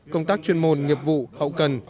công tác chuyên môn nghiệp vụ hậu cần